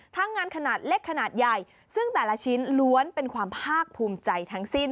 ทั้งงานขนาดเล็กขนาดใหญ่ซึ่งแต่ละชิ้นล้วนเป็นความภาคภูมิใจทั้งสิ้น